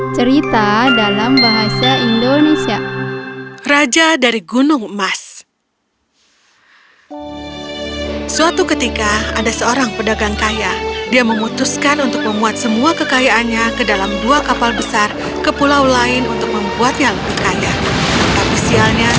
cerita dalam bahasa indonesia